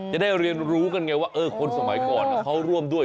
อย่าได้เรียนรู้กันไงคนสมัยก่อนเจ้าร่วมด้วย